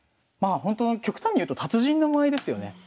まあほんと極端に言うと達人の舞ですよね。